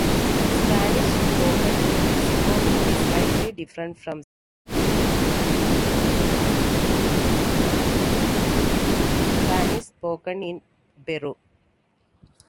Spanish spoken in Mexico will be slightly different from Spanish spoken in Peru.